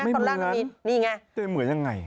ไม่เหมือนนี่ไงแต่เหมือนยังไง